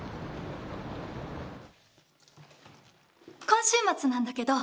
今週末なんだけど。